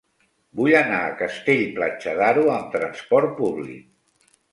Vull anar a Castell-Platja d'Aro amb trasport públic.